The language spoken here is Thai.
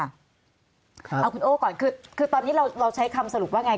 เอาคุณโอ้ก่อนคือตอนนี้เราใช้คำสรุปว่าไง